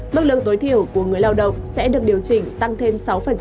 mức lương tối thiểu của người lao động sẽ được điều chỉnh tăng thêm sáu